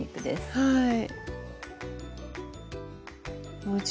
はい。